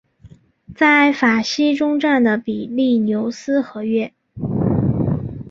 在法西终战的比利牛斯和约。